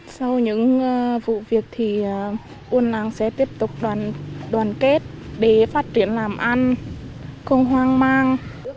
sau những vụ việc thì un sẽ tiếp tục đoàn kết để phát triển làm ăn không hoang mang